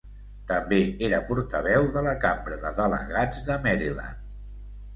També era portaveu de la Cambra de Delegats de Maryland.